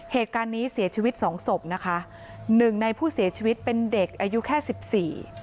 เหตุการณ์นี้เสียชีวิตสองศพนะคะหนึ่งในผู้เสียชีวิตเป็นเด็กอายุแค่สิบสี่